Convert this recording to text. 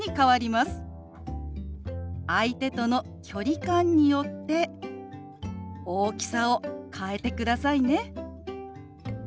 相手との距離感によって大きさを変えてくださいね。